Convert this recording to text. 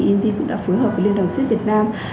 int cũng đã phối hợp với liên đoàn siếc việt nam